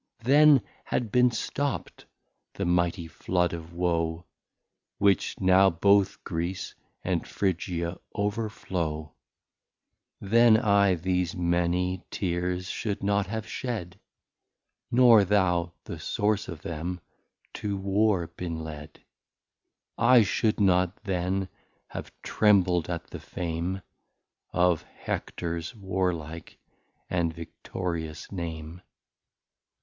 Then had been stopt the mighty Floud of Woe, Which now both Greece and Phrygia over flow: Then I, these many Teares, should not have shed, Nor thou, the source of them, to War been led: I should not then have trembled at the Fame Of Hectors warlike and victorious Name.